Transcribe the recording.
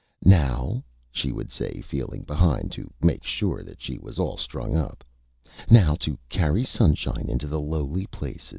"Now," she would say, feeling Behind to make sure that she was all strung up, "Now, to carry Sunshine into the Lowly Places."